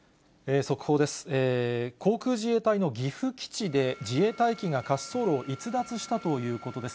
航空自衛隊の岐阜基地で、自衛隊機が滑走路を逸脱したということです。